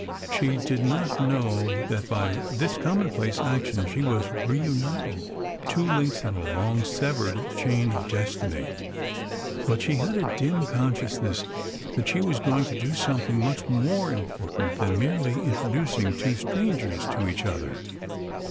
She did not know that by this commonplace action she was reuniting two links in a long severed chain of destiny, but she had a dim consciousness that she was going to do something much more important than merely introducing two strangers to each other.